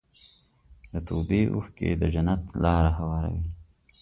د توبې اوښکې د جنت لاره هواروي.